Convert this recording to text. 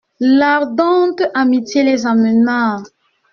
L'Ardente-Amitié les emmena.